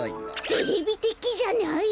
テレビてきじゃない？